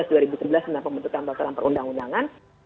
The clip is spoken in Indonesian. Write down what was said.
dengan pembentukan bakaran perundang undangan